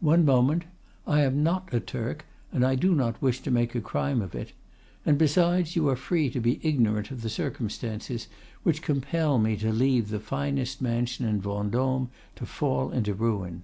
One moment! I am not a Turk, and do not wish to make a crime of it. And besides, you are free to be ignorant of the circumstances which compel me to leave the finest mansion in Vendôme to fall into ruin.